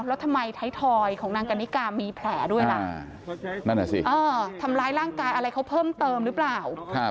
แล้วทำไมไทยทอยของนางกันนิกามีแผลด้วยล่ะนั่นแหละสิทำร้ายร่างกายอะไรเขาเพิ่มเติมหรือเปล่า